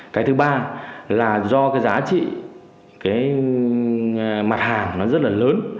cái thứ ba là do cái giá trị cái mặt hàng nó rất là lớn